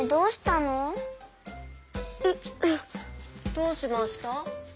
どうしました？